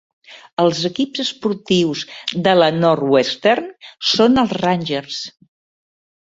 Els equips esportius de la Northwestern són els Rangers.